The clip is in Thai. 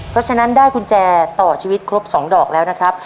เพราะฉะนั้นได้กุญแจต่อชีวิตครบ๒ดอกแล้วนะครับ